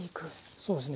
そうですね。